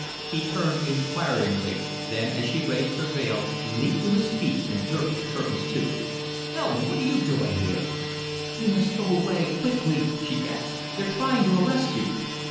He turned inquiringly then, as she raised her veil, leaped to his feet and jerked the curtains to. "Helen! What are you doing here?" "You must go away quickly," she gasped. "They're trying to arrest you."